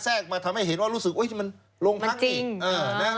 แทรกมาทำให้เห็นว่ารู้สึกโอ๊ยมันลงทั้งอีก